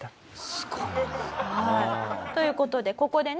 すごいな。という事でここでね